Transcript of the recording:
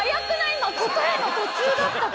今答えの途中だったけど。